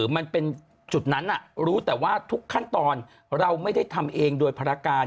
มันเป็นจุดนั้นรู้แต่ว่าทุกขั้นตอนเราไม่ได้ทำเองโดยภารการ